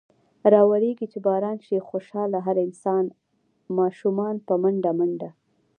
راورېږي چې باران۔ شي خوشحاله هر انسان ـ اشومان په منډه منډه ـ